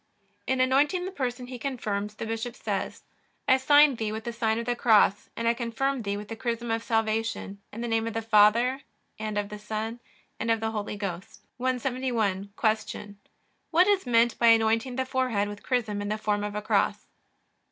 In anointing the person he confirms the bishop says: I sign thee with the sign of the cross, and I confirm thee with the chrism of salvation, in the name of the Father, and of the Son, and of the Holy Ghost. 171. Q. What is meant by anointing the forehead with chrism in the form of a cross?